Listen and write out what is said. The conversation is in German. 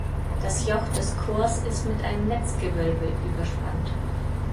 Das Joch des Chors ist mit einem Netzgewölbe überspannt.